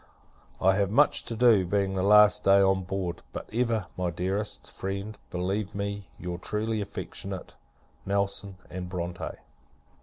I have much to do, being the last day on board; but ever, my dearest friend, believe me your truly affectionate NELSON & BRONTE.